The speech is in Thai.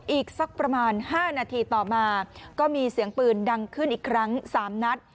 อีกสักประมาณ๕นาทีต่อมาก็มีเสียงปืนดังขึ้นอีกครั้ง๓นัด